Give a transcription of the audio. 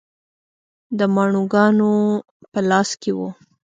د ماڼوګانو په لاس کې و.